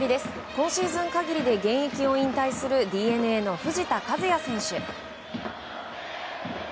今シーズン限りで現役を引退するＤｅＮＡの藤田一也選手。